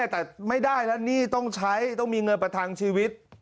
แต่ไม่ได้แล้วหนี้ต้องใช้ต้องมีเงินประทังชีวิต